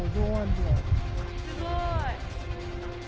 すごい。